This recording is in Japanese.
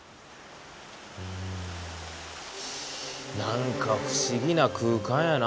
うん何か不思議な空間やな。